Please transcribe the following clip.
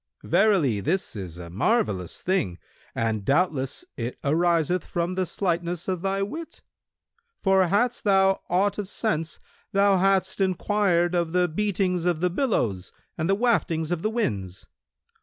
Verily, this is a marvellous thing, and doubtless it ariseth from the slightness of thy wit; for hadst thou aught of sense, thou hadst enquired of the beatings of the billows and the waftings of the winds.